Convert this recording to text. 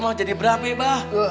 mau jadi berapa abah